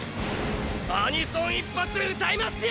アニソン一発歌いますよ！！